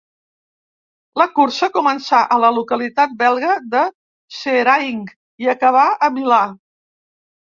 La cursa començà a la localitat belga de Seraing i acabà a Milà.